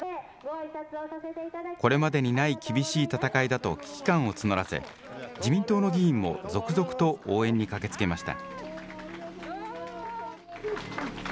これまでにない厳しい戦いだと危機感を募らせ、自民党の議員も続々と応援に駆けつけました。